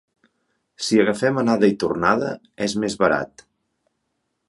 Si agafem anada i tornada és més barat.